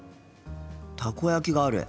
たこ焼きがある。